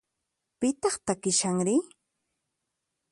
Pitaq takishanri?